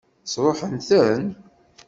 Sṛuḥen-ten?